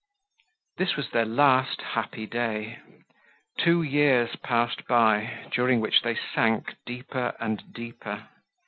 This was their last happy day. Two years passed by, during which they sank deeper and deeper.